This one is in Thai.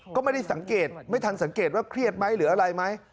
ก็ไม่ได้สังเกตไม่ทันสังเกตว่าเครียดไหมหรืออะไรไหม